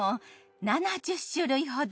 ７０種類ほど。